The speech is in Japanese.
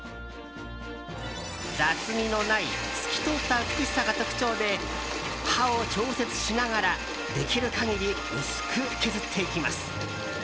雑味のない透き通った美しさが特徴で刃を調節しながらできる限り薄く削っていきます。